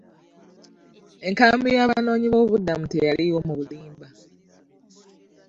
Enkambi y'abanoonyiboobubudamu teyaliiwo mu bulimba.